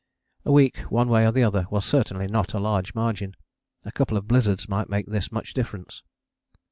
A week one way or the other was certainly not a large margin. A couple of blizzards might make this much difference.